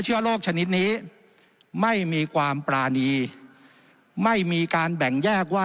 โลกชนิดนี้ไม่มีความปรานีไม่มีการแบ่งแยกว่า